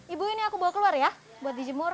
ibu ini aku bawa keluar ya buat dijemur